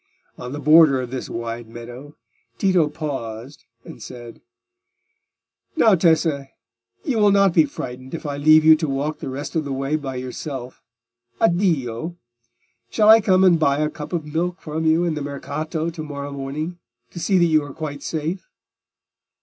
On the border of this wide meadow, Tito paused and said— "Now, Tessa, you will not be frightened if I leave you to walk the rest of the way by yourself. Addio! Shall I come and buy a cup of milk from you in the Mercato to morrow morning, to see that you are quite safe?"